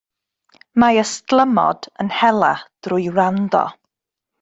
Mae ystlumod yn hela drwy wrando.